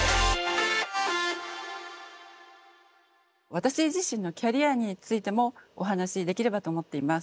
私自身のキャリアについてもお話しできればと思っています。